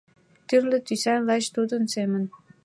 Тӱрлӧ тӱсын, лач тудын семын